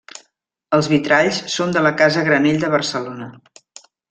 Els vitralls són de la casa Granell de Barcelona.